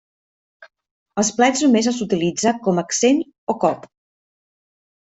Els plats només els utilitza com a accent o cop.